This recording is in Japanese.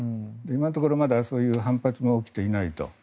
今のところ、まだそういう反発も起きてないと。